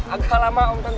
agak lama om tante